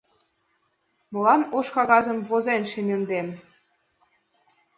Молан ош кагазым возен шемемдем